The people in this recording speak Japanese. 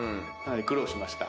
苦労しました。